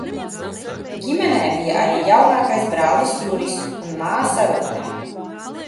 Ģimenē bija arī jaunākais brālis Juris un māsa Rute.